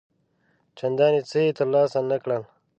چنداني څه یې تر لاسه نه کړل.